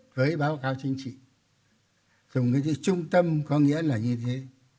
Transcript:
với báo cáo chính trị dùng cái chữ trung tâm có nghĩa là như thế